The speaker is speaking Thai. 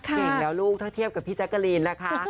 เก่งแล้วลูกถ้าเทียบกับพี่แจ๊กกะลีนนะคะ